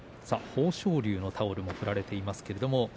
豊昇龍のタオルも振られています。